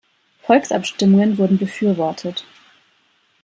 Volksabstimmungen wurden befürwortet.